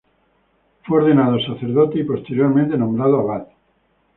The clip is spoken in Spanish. Fue ordenado sacerdote y posteriormente nombrado abad.